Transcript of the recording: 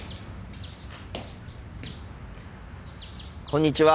こんにちは。